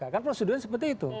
kan prosedurnya seperti itu